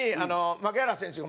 牧原選手が？